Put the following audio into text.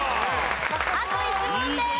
あと１問です。